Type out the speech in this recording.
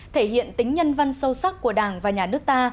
thể hiện tính nhân văn sâu sắc của đảng và nhà nước ta